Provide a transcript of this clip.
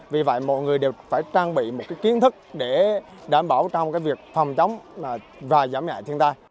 vì vậy mọi người đều phải trang bị một kiến thức để đảm bảo trong việc phòng chống và giảm nhẹ thiên tai